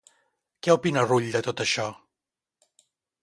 Què opina Rull de tot això?